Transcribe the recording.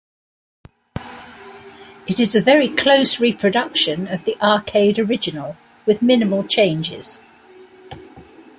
It is a very close reproduction of the arcade original, with minimal changes.